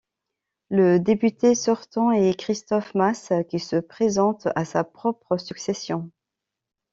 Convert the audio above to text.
Le député sortant est Christophe Masse qui se présente à sa propre succession.